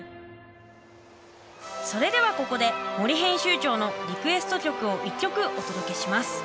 それではここで森編集長のリクエスト曲を１曲お届けします。